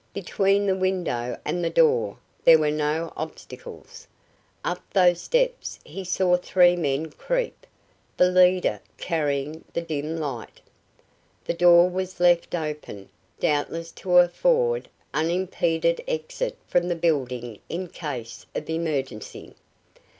Between the window and the door there were no obstacles. Up those steps he saw three men creep, the leader carrying the dim light. The door was left open, doubtless to afford unimpeded exit from the building in case of emergency.